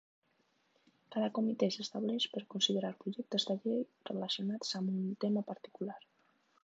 Cada comitè s'estableix per considerar projectes de llei relacionats amb un tema particular.